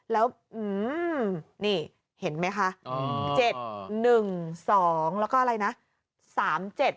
แล้วอืมนี่เห็นไหมค่ะอ๋อเจ็ดหนึ่งสองแล้วก็อะไรนะสามเจ็ด